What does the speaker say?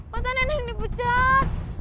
masa neneng yang dipecat